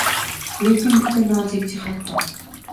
Lekin bitta nozik jihat bor